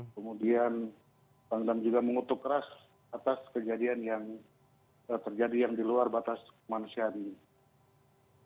kemudian pangdam juga mengutuk keras atas kejadian yang terjadi yang di luar batas kemanusiaan ini